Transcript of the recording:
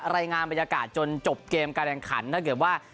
รายงานบรรยากาศจนจบเกมการแข่งขันถ้าเกิดว่า